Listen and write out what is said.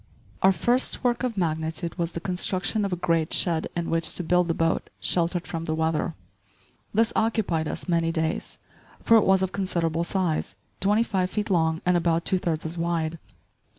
* Out first work of magnitude was the construction of a great shed in which to build the boat, sheltered from the weather. This occupied us many days; for it was of considerable size, twenty five feet long and about two thirds as wide.